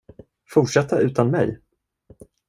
Fortsätta utan mig?